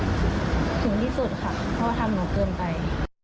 ถึงที่สุดค่ะเพราะว่าทำหนูเกินไป